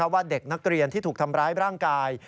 ว่าเด็กนักเรียนที่ถูกทำร้ายร่างกาย